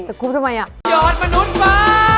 แต่คุบทำไมอะ